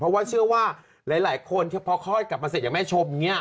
เพราะว่าเชื่อว่าหลายคนพอคลอดกลับมาเสร็จอย่างแม่ชมอย่างนี้